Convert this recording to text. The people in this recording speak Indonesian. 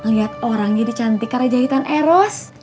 lihat orang jadi cantik karena jahitan eros